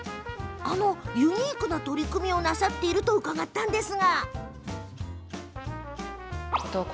ユニークな取り組みをされていると聞いたのですが。